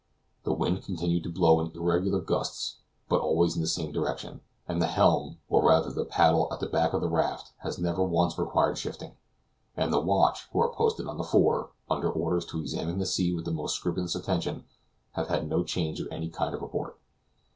The wind continued to blow in irregular gusts, but always in the same direction, and the helm, or rather the paddle at the back of the raft, has never once required shifting; and the watch, who are posted on the fore, under orders to examine the sea with the most scrupulous attention, have had no change of any kind to report.